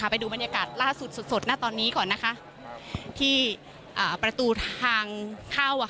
ไปดูบรรยากาศล่าสุดสดณตอนนี้ก่อนที่ประตูทางเข้า